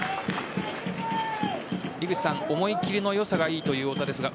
思い切りのよさがいいという太田ですが